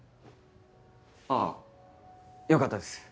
あよかったです。